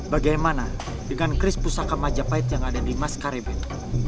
bagaimana dengan kris pusaka majapahit yang ada di maskarebet